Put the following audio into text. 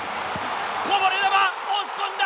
こぼれ球、押し込んだ。